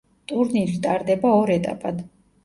ტურნირი ტარდება ორ ეტაპად.